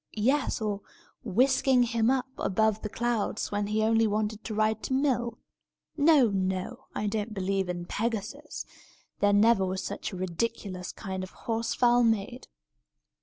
yes, or whisking him up above the clouds, when he only wanted to ride to mill? No, no! I don't believe in Pegasus. There never was such a ridiculous kind of a horse fowl made!"